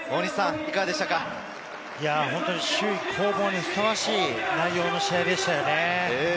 首位攻防にふさわしい内容の試合でしたね。